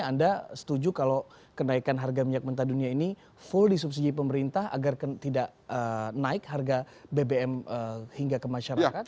anda setuju kalau kenaikan harga minyak mentah dunia ini full disubsidi pemerintah agar tidak naik harga bbm hingga ke masyarakat